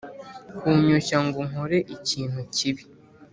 Kunyoshya ngo nkore ikintu kibi